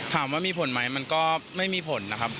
ถามว่ามีผลไหมมันก็ไม่มีผลนะครับ